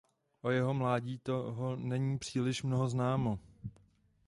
O jeho mládí toho není příliš mnoho známo.